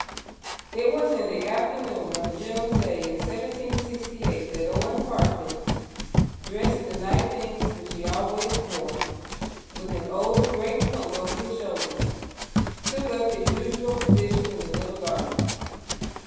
It was in the afternoon of a June day in 1768 that Owen Parfitt, dressed in the night things which he always wore, with an old greatcoat over his shoulders, took up his usual position in the little garden.